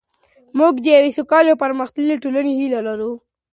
موږ د یوې سوکاله او پرمختللې ټولنې هیله لرو.